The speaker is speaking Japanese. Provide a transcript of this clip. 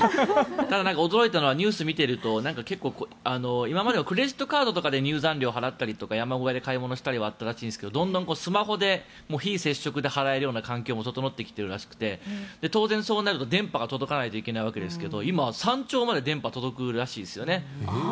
ただ、驚いたのはニュースを見ていると結構、今までクレジットカードで入山料を払ったりとか山小屋で買い物したりはあったらしいんですけどどんどんスマホで非接触で払える環境も整ってきているらしくて当然そうなると電波が届かないといけないわけですが今、山頂まで電波が届くらしいですね。